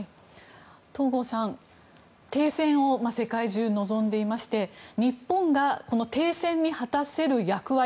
東郷さん、停戦を世界中は望んでいまして日本が停戦に果たせる役割